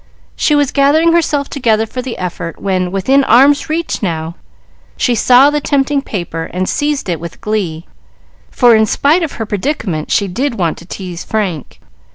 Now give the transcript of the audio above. She was gathering herself together for the effort, when, within arm's reach now, she saw the tempting paper, and seized it with glee, for in spite of her predicament she did want to tease Frank.